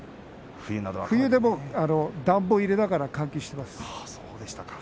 冬でも暖房を入れながら換気をしています。